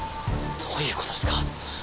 どういう事ですか？